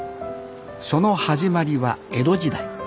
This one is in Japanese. その始まりは江戸時代。